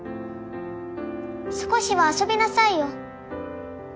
少しは遊びなさいよ